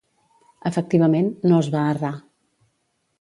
Efectivament, no es va errar.